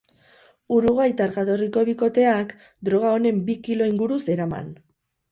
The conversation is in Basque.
Uruguaitar jatorriko bikoteak droga honen bi kilo inguru zeraman.